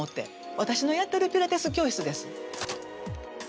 私のやってるピラティス教室です。